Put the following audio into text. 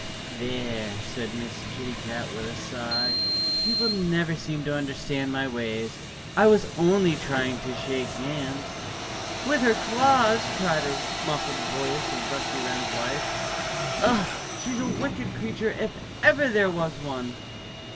"There!" said Miss Kitty Cat with a sigh. "People never seem to understand my ways. I was only trying to shake hands!" "With her claws!" cried the muffled voice of Rusty Wren's wife. "Ugh! She's a wicked creature if ever there was one."